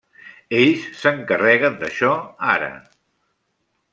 Ells s'encarreguen d'això ara.